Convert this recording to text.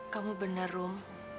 kamu benar rum